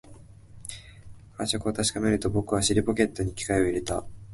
感触を確かめると、僕は尻ポケットに機械を入れた